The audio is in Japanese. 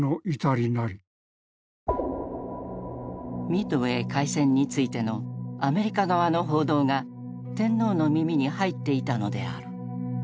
ミッドウェー海戦についてのアメリカ側の報道が天皇の耳に入っていたのである。